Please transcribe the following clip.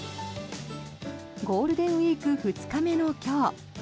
ゴールデンウィーク２日目の今日。